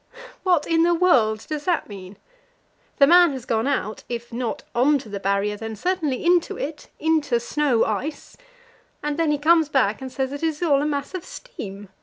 What in the world does that mean? The man has gone out if not out on to the Barrier, then certainly into it into snow ice, and then he comes back and says that it is all a mass of steam.